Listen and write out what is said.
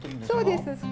そうです。